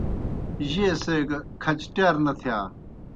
جیئے سے گہ کھچٹِیار نہ تِھیا۔